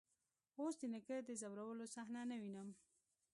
اوس د نيکه د ځورولو صحنه نه وينم.